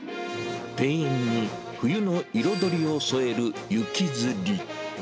庭園に冬の彩りを添える雪吊り。